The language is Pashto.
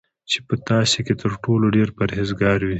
چی په تاسی کی تر ټولو ډیر پرهیزګاره وی